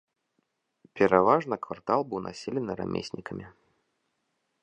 Пераважна квартал быў населены рамеснікамі.